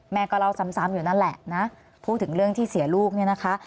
ก็เล่าซ้ำอยู่นั่นแหละนะพูดถึงเรื่องที่เสียลูกเนี่ยนะคะ